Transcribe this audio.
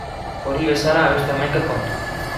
Hori bezala beste hamaika kontu.